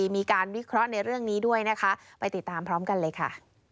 มีการวิเคราะห์ในเรื่องนี้ด้วยนะคะไปติดตามพร้อมกันเลยค่ะ